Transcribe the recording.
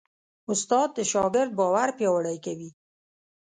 استاد د شاګرد باور پیاوړی کوي.